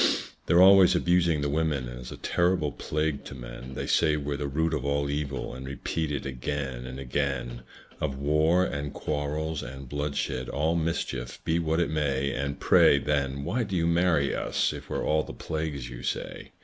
They're always abusing the women, As a terrible plague to men; They say we're the root of all evil, And repeat it again and again Of war, and quarrels, and bloodshed, All mischief, be what it may. And pray, then, why do you marry us, If we're all the plagues you say?